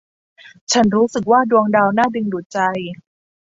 ฉันรู้สึกว่าดวงดาวน่าดึงดูดใจ